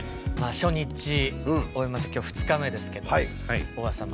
初日終えまして今日２日目ですけど尾形さん